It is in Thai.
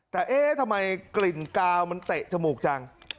แต่เอ๊ะทำไมกลิ่นกาวมันเตะจมูกจัง